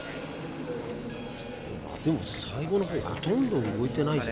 でも最後の方ほとんど動いてないぞ。